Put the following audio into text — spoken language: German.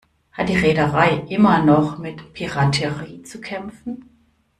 Hat die Reederei immer noch mit Piraterie zu kämpfen?